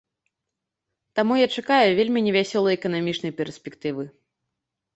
Таму я чакаю вельмі невясёлай эканамічнай перспектывы.